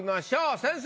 先生！